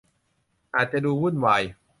อาจจะดูวุ่นวาย